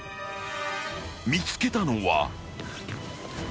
［見つけたのは］